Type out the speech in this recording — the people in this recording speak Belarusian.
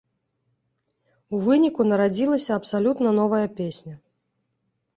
У выніку нарадзілася абсалютна новая песня.